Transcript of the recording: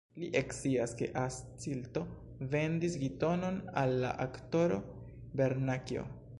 Li ekscias, ke Ascilto vendis Gitonon al la aktoro Vernakjo.